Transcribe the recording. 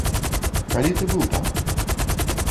Калі ты быў там?